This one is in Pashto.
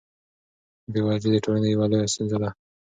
بېوزلي د ټولنې یوه لویه ستونزه ده.